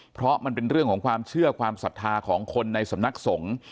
เพราะมันเป็นเรื่องของความเชื่อความศรัทธาของคนในสำนักสงฆ์